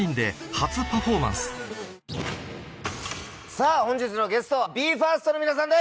さぁ本日のゲストＢＥ：ＦＩＲＳＴの皆さんです！